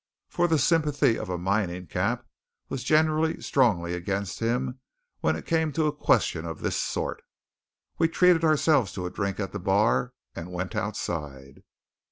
For the sympathy of a mining camp was generally strongly against him when it came to a question of this sort. We treated ourselves to a drink at the bar, and went outside.